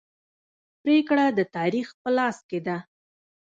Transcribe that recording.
پریکړه د تاریخ په لاس کې ده.